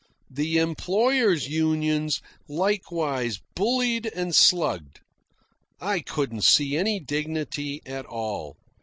The employers' unions like wise bullied and slugged. I couldn't see any dignity at all.